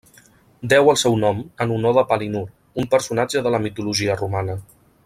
Deu el seu nom en honor de Palinur, un personatge de la mitologia romana.